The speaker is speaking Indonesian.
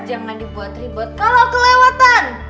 jangan dibuat ribut kalau kelewatan